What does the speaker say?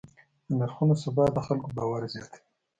د نرخونو ثبات د خلکو باور زیاتوي.